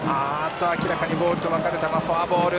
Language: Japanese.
明らかにボールと分かる球フォアボール。